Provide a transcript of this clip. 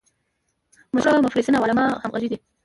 مشهور مفسرین او علما همغږي دي.